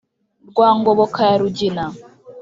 rwa ngoboka ya rugina